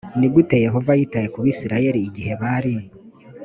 ni gute yehova yitaye ku bisirayeli igihe bari